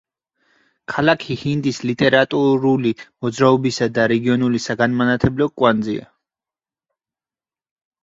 ქალაქი ჰინდის ლიტერატურული მოძრაობისა და რეგიონული საგანმანათლებლო კვანძია.